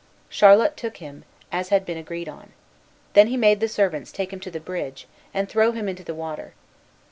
Charlot took him, as had been agreed on. Then he made the servants take him to the bridge, and throw him into the water.